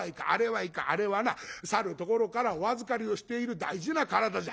あれはなさるところからお預かりをしている大事な体じゃ。